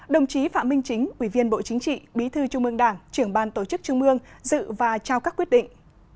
đồng chí phạm minh chính ủy viên bộ chính trị bí thư trung ương đảng trưởng ban tổ chức trung mương dự và trao các quyết định